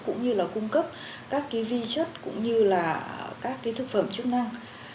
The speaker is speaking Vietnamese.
cũng như là cung cấp các cái vi chất cũng như là các cái thực phẩm chức năng